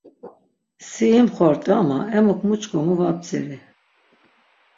Si imxort̆i ama emuk mu ç̆k̆omu va bdziri.